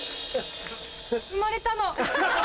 うまれたの。